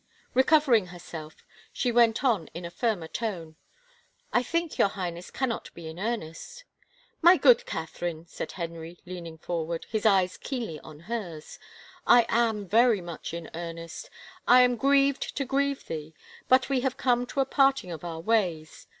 Recovering herself, she went on in a firmer tone, " I think your Highness cannot be in earnest." " My good Catherine," said Henry, leaning forward, his eyes keenly on hers, " I am very much in earnest. ... I am grieved to grieve thee, but we have come to a part ing of our ways.